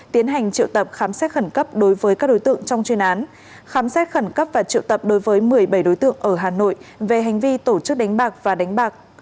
tiến hành triệu tập khám xét khẩn cấp đối với các đối tượng trong chuyên án khám xét khẩn cấp và triệu tập đối với một mươi bảy đối tượng ở hà nội về hành vi tổ chức đánh bạc và đánh bạc